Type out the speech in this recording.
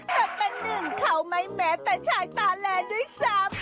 แต่เป็นหนึ่งเขาไม้แหมแต่ฉายตาแหล่ด้วยซับ